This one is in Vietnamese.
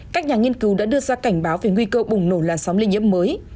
các nhà nghiên cứu đã đưa ra cảnh báo về nguy cơ bùng nổ làn sóng lây nhiễm mới